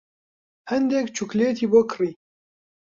هەندێک چوکلێتی بۆ کڕی.